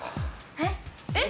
えっ？えっ？